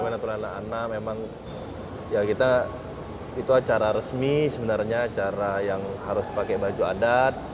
karena naturalnya anak anak memang ya kita itu acara resmi sebenarnya acara yang harus pakai baju adat